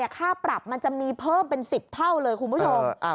ค่าปรับมันจะมีเพิ่มเป็น๑๐เท่าเลยคุณผู้ชม